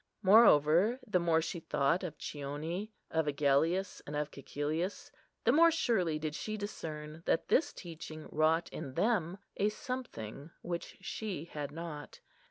Moreover, the more she thought of Chione, of Agellius, and of Cæcilius the more surely did she discern that this teaching wrought in them a something which she had not.